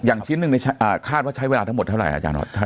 อย่างชิ้นนึงคาดว่าใช้เวลาทั้งหมดเท่าไหร่อาจารย์หน่อย